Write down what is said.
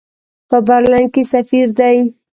په برلین کې سفیر دی.